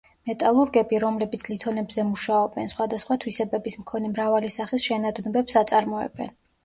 მეტალურგები, რომლებიც ლითონებზე მუშაობენ, სხვადასხვა თვისებების მქონე მრავალი სახის შენადნობებს აწარმოებენ.